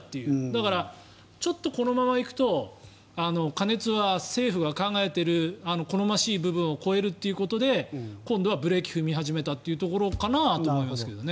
だからちょっとこのままいくと過熱は政府が考えている好ましい部分を超えるということで今度はブレーキを踏み始めたというところかなと思いますけどね。